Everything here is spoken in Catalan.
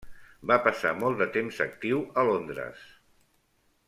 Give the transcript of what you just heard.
Va passar molt de temps actiu a Londres.